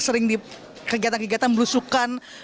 sering di kegiatan kegiatan belusukan